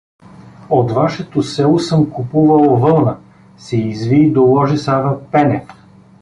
От вашето село съм купувал вълна — се изви и доложи Сава Пенев.